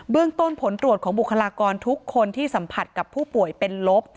เรื่องต้นผลตรวจของบุคลากรทุกคนที่สัมผัสกับผู้ป่วยเป็นลบ